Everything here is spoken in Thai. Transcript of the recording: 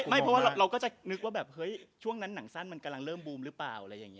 ไม่เพราะว่าเราก็จะนึกว่าแบบเฮ้ยช่วงนั้นหนังสั้นมันกำลังเริ่มบูมหรือเปล่าอะไรอย่างนี้